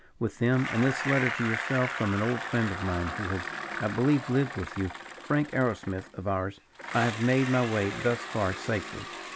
With them, and this letter to yourself from an old friend of mine, who has, I believe, lived with you, Frank Arrowsmith of ours, I have made my way thus far safely.